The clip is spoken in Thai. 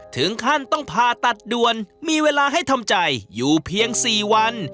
ถึงขั้นต้องผ่าตัดด่วนมีเวลาให้ทำใจอยู่เพียง๔วัน